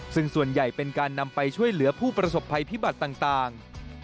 ซึ่งส่วนใหญ่เป็นการนำไปช่วยเหลือผู้ประสบภัยพิบัติต่าง